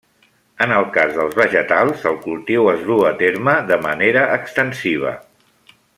En el cas dels vegetals, el cultiu es duu a terme de manera extensiva.